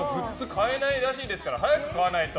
買えないらしいので早く買わないと。